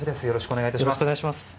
よろしくお願いします。